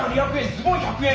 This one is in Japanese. ズボン１００円。